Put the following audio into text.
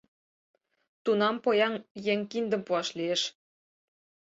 Тунам поян еҥ киндым пуаш лиеш.